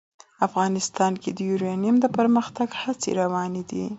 افغانستان کې د یورانیم د پرمختګ هڅې روانې دي.